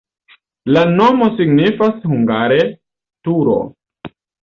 La nomo signifas hungare: turo.